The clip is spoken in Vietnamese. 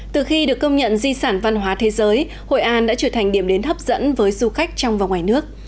từ khi được công nhận di sản văn hóa thế giới hội an đã trở thành điểm đến hấp dẫn với du khách trong và ngoài nước